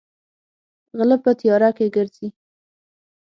غلۀ پۀ تيارۀ کښې ګرځي ـ